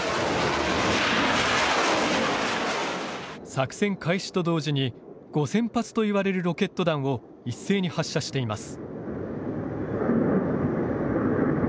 作戦開始と同時に５０００発といわれるロケット弾を一斉に発射しています。